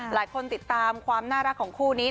หลายคนติดตามความน่ารักของคู่นี้